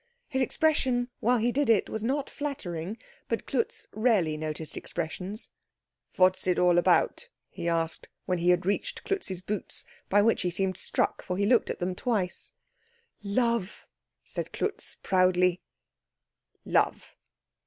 His expression while he did it was not flattering, but Klutz rarely noticed expressions. "What's it all about?" he asked, when he had reached Klutz's boots, by which he seemed struck, for he looked at them twice. "Love," said Klutz proudly. "Love?"